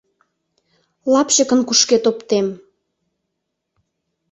— Лапчыкын кушкед оптем!